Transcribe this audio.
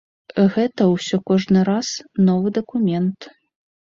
Гэта ўсё кожны раз новы дакумент.